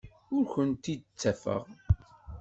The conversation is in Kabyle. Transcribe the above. Ur kent-id-ttafeɣ.